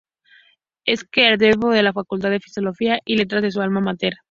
Es catedrático en la Facultad de Filosofía y Letras de su alma máter.